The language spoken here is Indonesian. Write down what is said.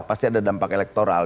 pasti ada dampak elektoral